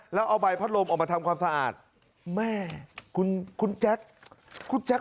แล้วเอาใบพัดลมออกมาทำความสะอาดแม่คุณคุณแจ๊คคุณแจ๊ค